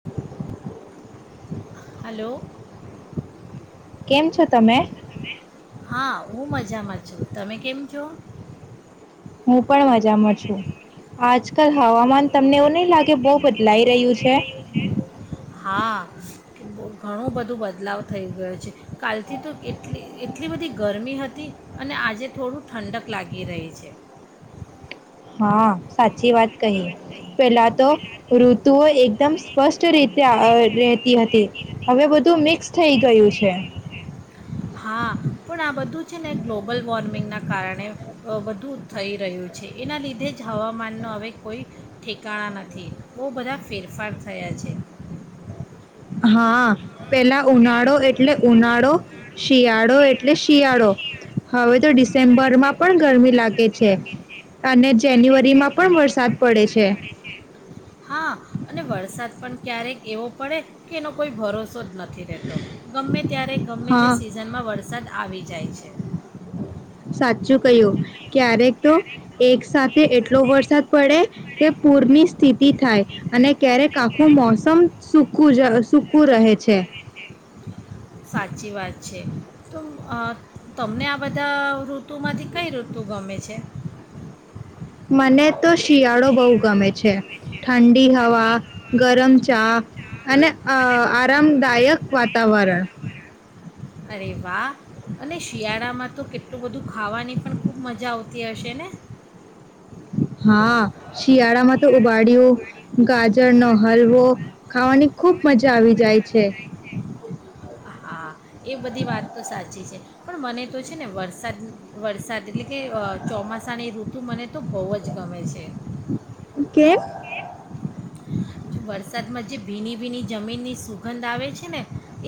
[inaudible] Hello. કેમ છો તમે? હા હું મજામાં છું તમે કેમ છ? હું પણ મજામાં છું આજ કાલ હવામાન તમને એવું નહીં લાગે બહુ બા લઈ રહ્યું છે. હા ઘણું બધું બદલાવ થઈ ગયો છે કાલથી તો એટલી એટલી બધી ગરમી હતી અને આજે થોડું ઠંડક લાગી રહી છે. હા સાચી વાત કહી પેલા તો ઋતુઓ એકદમ સ્પષ્ટ રીતે રતી હતી હવે બધું મિક્સ થઈ ગયું છે. હા પણ આ બધું છે ને ગ્લોબલ વોર્મિંગના કારણે બધું થઈ રહ્યું છે એના લીધે જ હવામાનના હવે કોઈ ઠેકાણા નથી બહુ બધા ફેરફાર થયા છે. હા પેલા ઉનાળો એટલે ઉનાળો શિયાળો એટલે શિયાળો હવે તો ડિસેમ્બર માં પણ ગરમી લાગે છે અને જાન્યુઆરીમાં પણ વરસાદ પડે છે. હા અને વરસાદ પણ ક્યારેક એવો પડે કે એનો કોઈ ભરોસો જ નથી. તો ગમે ત્યારે ગમે હા તે સિઝનમાં વરસાદ આવી જાય છે. સાચું કહ્યું ક્યારેક તો એક સાથે એટલો વરસાદ પડે કે પૂરની સ્થિતિ થાય અને ક્યારેક આખું મોસમ સકું જ સૂકું રહે છે. સાચી વાત છે તો અ તમને આ બધા ઋતુમાંથી કઈ ઋતુ ગમે છે. મને તો શિયાળો બહુ ગમે છે ઠંડી હવા ગરમ ચા અને આરામદાયક વાતાવરણ અરે વાહ અને શિયાળામાં તો કેટલું બધું ખાવાની પણ ખૂબ મજા આવતી હશે ને. હા શિયાળામાં તો ઉબાડિયું ગાજરનોો હલવો ખાવાની ખુબ મજા આવી જાય છે. હા એ બધી વાત તો સાચી છે. પણ મને તો છે ને વરસાદ વરસાદ એટલે કે ચોમાસાની ઋતુ મને તો બહુ જ ગમે છે. કેમ વરસાદમાં જે ભીની ભીની જમીનની સુગંધ આવે છે ને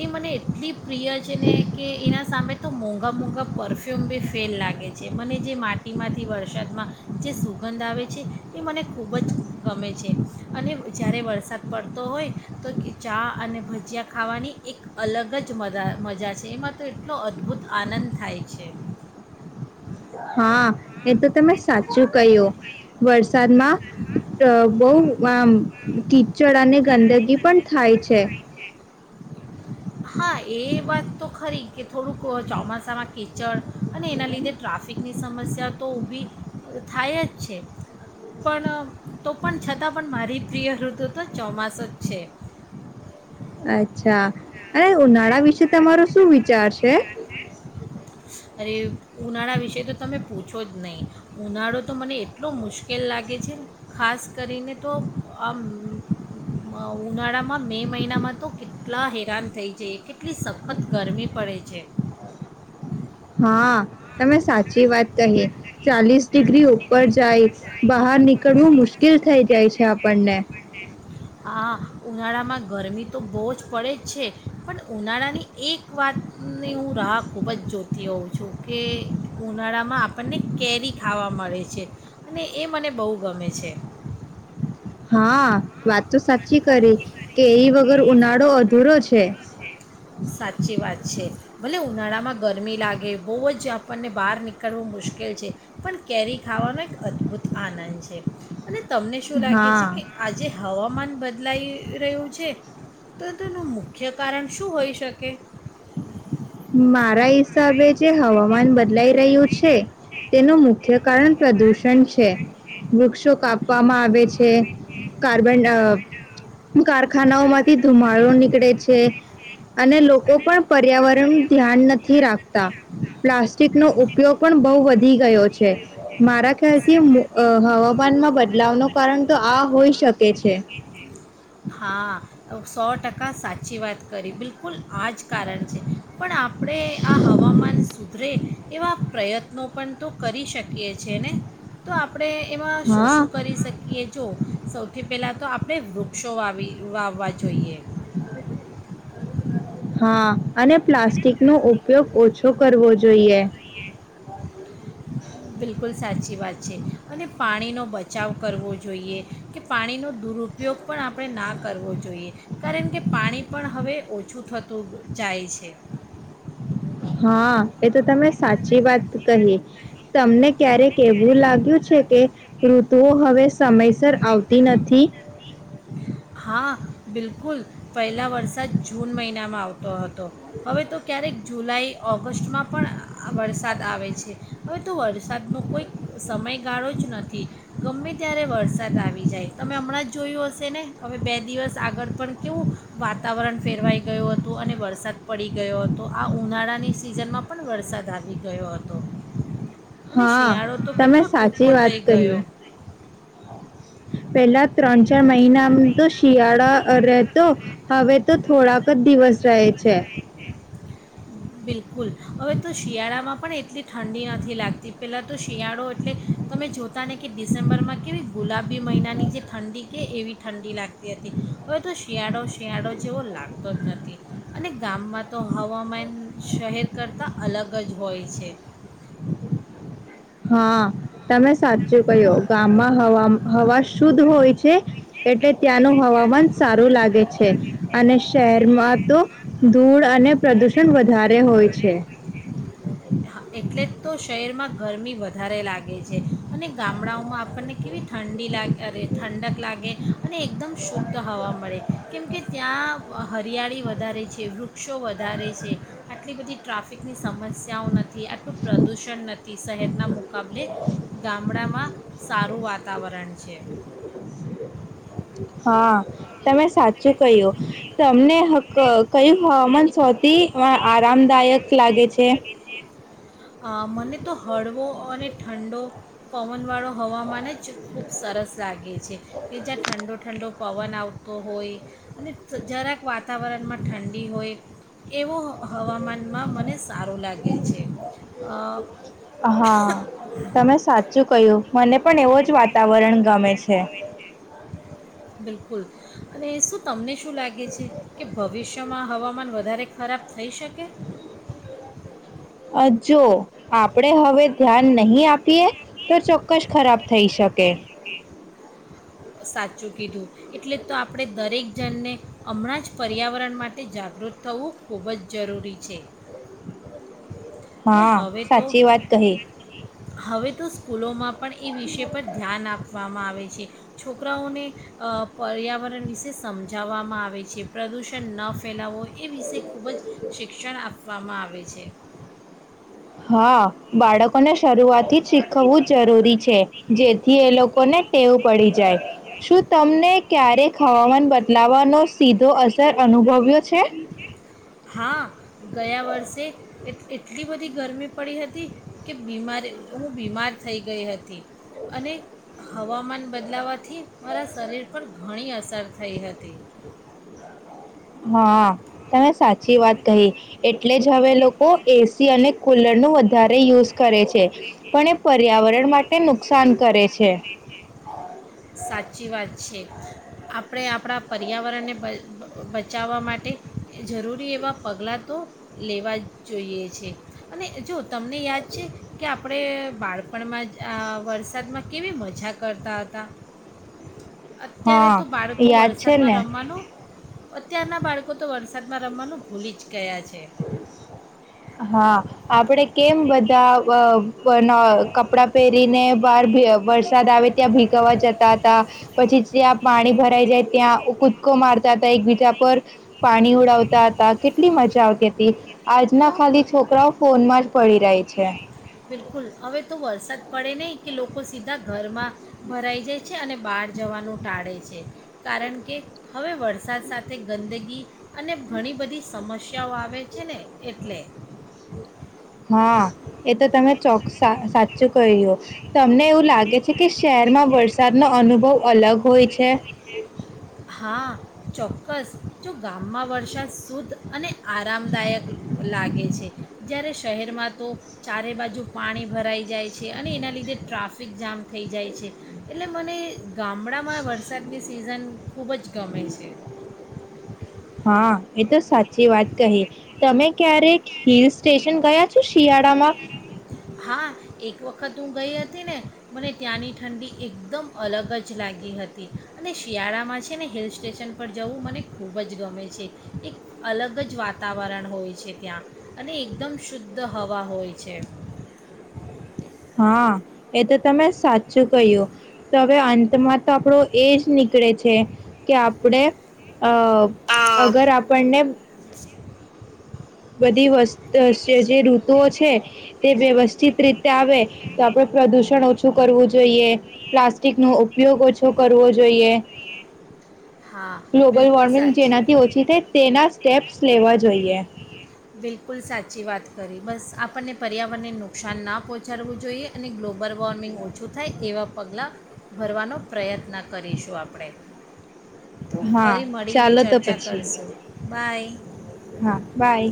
એ મને એટલી પ્રિય છે ને કે એના સામે તો મગ ઘ મોઘા પરફ્યુમ બી ફેલ લાગે છે મને જે માટીમાંથી વરસાદમાં જે સુગંધ આવે છે એ મને ખૂબ જ ગમે છે અને જ્યારે વરસાદ પડતો હોય તો ચા અને ભજીયા ખાવાની એક અલગ જ મા મજા છે એમાં તો એટલો અદ્ભુત આનંદ થાય છે. હા એ તો તમે સાચું કહ્યું વરસાદમાં બહ આ કીચડ અને ગંદગી પણ થાય છે. હા એ વાત તો ખરી કે થોડુંક ચોમાસામાં કીચડ અને એના લીધે ટ્રાફિકની સમસ્યા તો ઊભી થાય જ છે પણ તો પણ છતાં પણ મારી પ્રિય ઋતુ તો ચોમાસ જ છે. અચ્છા અને ઉનાળા વિશે તમારો શું વિચ ચાર છે. અરે ઉનાળા વિશે તો તમે પૂછો જ નહીં ઉનાળો તો મને એટલો મુશ્કેલ લાગે છે ખાસ કરીને તો આ ઉનાળામાં મે મહિનામાં તો કેટલા હેરાન થઈ જાય કેટલી સખત ગરમી પડે છે. હ. હા તમે સાચી વાત કહી ચાલીસ ડિગ્રી ઉપર જાય. બહાર નનીક ઘડવું મુશ્કેલ થઈ જાય છે આપણને. હા ઉનાળામાં ગરમી તો બહુ જ પડે જ છે પણ ઉનાળાની એક વાતની હું રાહ ખૂબ જ જોતી હોઉં. જો કે ઉળા આપણને કેરી ખાવા મળે છે અને એ મને બહુ ગમે છે. હા વાત તો સાચી કરી કે એ વગર ઉનાળો અધૂરો છે. સાચી વાત છે ભલે ઉનાળામાં ગરમી લાગે બહુ જ આપણને બહાર નીકળવું મુશ્કેલ છે પણ કેરી ખાવાનો એક અદ્ભુત આનંદ છે. અને તમને શું લાગે છે હા કે આજે હવામાન બ બદલાઈ રહ્યું છે તો તેનું મુખ્ય કારણ શું હોય શકે? મારા હિસાબે જે હવામાન બદલાઈ રહ્યું છે તેનું મુખ્ય કારણ પ્રદૂષણ છે વૃક્ષો કાપવામાં આવે છે કાર્બન કારખાનાઓ માંથી ધુમાડો નીકળે છે અને લોકો પણ પર્યાવરણ ધ્યાન નથી રાખતા પ્લાસ્ટિક નો ઉપયોગ પણ બહુ વધી ગયો છે મારા ખ્યાલથી હવામાનમાં બદલાવ ન કારણ તો આ હોઈ શકે છે. હા સો ટકા સાચી વાત કરી બિલકુલ આ જ કારણ છે. પણ આપણે આ હવામાન સુધરે એવા પ્રયત્નો પણ તો કરી શકીએ છ છેએ ને તો આપ આપણે એમાં શું હા શું કરી શકીએ જો સૌથી પેલા તો આપણેે વૃ શો વાવી વાવવા જોઈએ. હા અને પ્લાસ્ટિક નો ઉપયોગ ઓછો કરવો જોએ. જોઈએ. બિલકુલ સાચી વાત છે અને પાણીનો બચાવ કરવો જોઈએ કે પાણીનો દુરુપયોગ પણ આપણે ના કરવો જોઈએ કારણ કે પાણી પણ હવે ઓછું થતું જાય છે. હા એ તો તમે સાચી વાત કહી તમને ક્યારેક એવું લાગ્યું છે કે ઋતુઓ હવે સમયસર આવતી નથી. હા બિલકુલ પહેલાં વરસાદ જૂન મહિનામાં આવતો હતો હવે તો ક્યારેક જુલાઈ ઓગસ્ટમાં પણ વરસાદ આવે છે હવે તો વરસાદનો કોઈક સમયગાળો જ નથી ગમે ત્યારે વરસાદ આવી જાય તમે હમણાં જ જોયું હશે ને. હવે બે દિવસ આગળ પણ કેવું વાતાવરણ ફેરવાઈ ગયું હતું અને વરસાદ પડી ગયો હતો આ ઉનાળાની સિઝનમાં પણ વરસાદ આવી ગયો હતો. અને હા શિયાળો તો તમે કેટલો સાચી ટૂંકો વાત થઈ કહી. ગયો પેલા ત્રણ ચાર મહિનામ તો શિયાળા રહેતો હવે તો થોડાક જ દિવસ શહે છે. બિલકુલ હવે તો શિયાળામાં પણ એ એટલી ઠંડી નથી લાગતી પહેલાં તો શિયાળો એટલે તમે જોતા ને કે ડિસેમ્બરમાં કેવી ગુલાબી મહિનાની જે ઠંડી કે એવી ઠંડી લાગતી હતી હવે તો શિયાળો શિયાળો જેવો લાગતો જ નથી અને ગામમાં તો હવામાન શહેર કરતાં અલગ જ હોય છે. હા તમે સાચું કયો ગામમાં હ હવા શુદ્ધ હોય છે. એટલે ત્યાંનું હવામાન સારું લાગે છે અને શહેરમાં તો ધૂળ અને પ્રદુષણ વધારે હોય છે. એટલે તો શહેરમાં ગરમી વધારે લાગે છે અને ગામડાઓમાં આપણને કેવી ઠંડી લાગ અ ઠંડક લાગે અને એકદમ શુદ્ધ હવા મળે કેમકે ત્યાં હરિયાળી વધારે છે વૃક્ષો વધારે છે આટલી બધી ટ્રાફિકની સમસ્યા ત્યાં નથી આટલું પ્રદૂષણ નથી શહેરના મુકાબલે ગામડામાં સારું વાતાવરણ છે. હા તમે સાચું કહ્યું તમને. હક્ કયું હવામાન તી આરામદાયક લાગે છે. મને તો હળવો અને ઠંડો પવનવાળો હવામાન જ ખૂબ સરસ લાગે છે. છે કે જ્યાં ઠંડો ઠંડો પવન આવતો હોય અને જરાક વાતાવરણમાં ઠંડી હોય. એવો હવામાનમાં મને સારું લાગે છે. અ, હા તમે સાચું કયુ મને પણ એવો જ વાતાવરણ ગમે છે. છે. બિલકુલ, અને શું તમને શું લાગે છે કે ભવિષ્યમાં હવામાન વધારે ખરાબ થઈ શકે? અ જો. આપણે હવે ધ્યાન નહી આપીએ તો ચોક્કસ ખરાબ થઈ શકે. સાચું કીધું એટલે તો આપણે દરેક જણને હમણાં જ પર્યાવરણ માટે જાગૃત થવું ખૂબ જ જરૂરી છે. ને હા હવે સાચી વાત કહી હવે તો સ્કૂલોમાં પણ એ વિષય પર ધ્યાન આપવામાં આ આવે છે છોકરાઓને અ પર્યાવરણ વિશે સમજાવવામાં આવે છે, પ્રદૂષણ ન ફેલાવો એ વિશે ખૂબ જ શિક્ષણ આપ વામાં આવે આવેે છે. હા, બાળકોને શરૂઆતથી જ શીખવવું જરૂરી છે જેથી એ લોકોને ટેવ પડી જાય શું તમને ક્યારેક હવામાન બદલાવાનો સીધો અસર અનુભવ્યો છે? હા, ગયા વર્ષે એટ એટલી બધી ગરમી પડી હતી કે બીમાર હું બીમાર થઈ ગઈ હતી, અને હવામાન બદલાવાથી મારા શરીર પર ઘણી અસ સર થઈ હતી. હા તમે સાચી વાત કહી એટલે જ હવે લોકો એસી અને કુલર નું વધારે યુઝ કરે છે પણ એ પર્યાવરણ માટે નુકસાન કરે છે. સાચી વાત. છે આપણે આપણા પર્યાવરણને બ બચાવવા માટે જરૂરી એવાં પગલાં તો લેવા જોઈએ છે અને જો તમને યાદ છે કે આપણે બાળપણમાં આ વરસાદમાં કેવી મજા કરતા હતા! અત્યારે હા, તો બાળકો યાદ છે વરસાદમાં ને? રમવાનું અ ત્યારનાં બાળકો તો વરસાદમાં રમવાનું ભૂલી જ ગયા છે હા આપડે કેમ બધા અહ-અહ ન કપડા પહેરીને બહાર ભી અહ વરસાદ આવે ત્યાં ભીગાવા જતા હતા, પછી જ્યાં પાણી ભરાઈ જાય ત્યાં કૂદકો મારતા તા એકબીજા પર, પાણી ઉડાવતા હતા કેટલી મજા આવ તી હતી. આજના તો ખાલી છોકરાઓ ફોનમાં જ પડી રહે છે. બિલકુલ. હવે તો વરસાદ પડે નહીં કે લોકો સીધા ઘરમાં ભરાઈ જાય છે, અને બહાર જવાનું ટાળે છે, કારણ કે હવે વરસાદ સાથે ગંદગી અને ઘણી બધી સમસ્યાઓ આવે છે ને એટલે. હા એ તો તમે ચોક સા સાચું કહ્યું. તમને એવું લાગે છે કે શહેરમાં વરસાદ નો અનુભવ અલગ હોય છે? હા ચોક્કસ. જો ગામમાં વર્ષા શુદ્ધ અને આરામદાયક લાગે છે. જયારે શહેરમાં તો ચારે બાજુ પાણી ભરાઈ જાય છે અને એના લીધે ટ્રાફિક જામ થઈ જાય છે. એટલે મને ગામડામાં વરસાદની સિઝન ખૂબ જ ગમે છે. હા એ તો સાચ ચી વાત કહી. તમે ક્યારેક હિલ સ્ટેશન ગયા છો? શિયાળ માં હા એક વખત વખતું ગઈ હતી ને મને ત્યાંની ઠંડી એકદમ અલગ જ લાગી હતી અને શિયાળામાં છે ને હિલ સ્ટેશન પર જવું મને ખૂબ જ ગમે છે એક અલગ જ વાતાવરણ હોય છે ત્યાં અને એકદમ શુદ્ધ હવા હોય છે. હા એ તો તમે સાચું કહ્યું તો હવે અંતમાં તો આપણો એજ નીકળે છે કે આપણેે અ અ અગર આપણને બધી જે ઋતુઓ છે તે વ્યવસ્થિત રીતે આવે તો આપણે પ્રદુષણ ઓછું કરવું જોઈએ પ્લાસ્ટિક નો ઉપયોગ ઓછો કરવો જોઈએ. હા ગ્લોબલ બિલકુલ વોર્મિંગ સાચી જેનાથી ઓછી થાય તેના સ્ટેપ્સ લેવા જોઈએ. બિલકુલ સાચી વાત કરી બસ આપણને પર્યાવરણને નુકસાન ના પહોંચાડવું જોઈએ અને ગ્લોબલ વોર્મિંગ ઓછું થાય એવાં પગલાં ભરવાનો પ્રયત્ન કરીશું આપણે તો હા ફરી મળીને ચાલો તો ચર્ચા પછી કરશું બાય હા બાય.